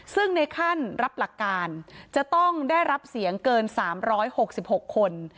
ซึ่งในขั้นรับหลักการจะต้องได้รับเสียงเกิน๓๖๖คน